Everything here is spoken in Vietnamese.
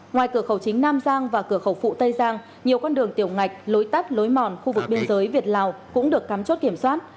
ngoài cửa khẩu chính nam giang và cửa khẩu phụ tây giang nhiều con đường tiểu ngạch lối tắt lối mòn khu vực biên giới việt lào cũng được cắm chốt kiểm soát